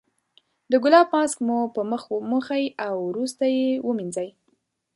د ګلاب ماسک مو په مخ وموښئ او وروسته یې ومینځئ.